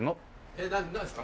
えっなんですか？